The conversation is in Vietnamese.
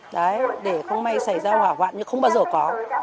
đấy để không may xảy ra hỏa hoạn như không bao giờ có